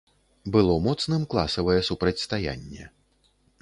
Было моцным класавае супрацьстаянне.